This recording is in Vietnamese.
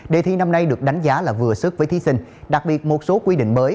đề thi năm nay được đánh giá là vừa sức với thí sinh đặc biệt một số quy định mới